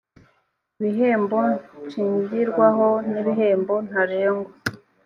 ibihembo nshingirwaho n’ibihembo ntarengwa